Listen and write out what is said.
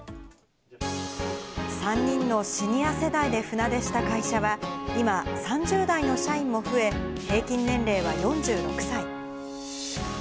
３人のシニア世代で船出した会社は、今、３０代の社員も増え、平均年齢は４６歳。